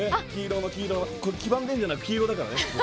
黄ばんでんじゃなくて黄色だからね。